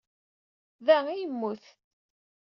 Da ay yemmut.